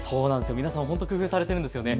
皆さん本当に工夫されているんですよね。